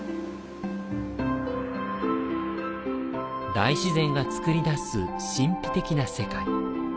大自然が作りだす神秘的な世界。